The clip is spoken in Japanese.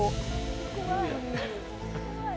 怖い。